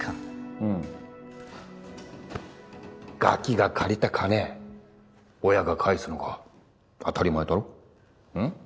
うんガキが借りた金親が返すのが当たり前ん？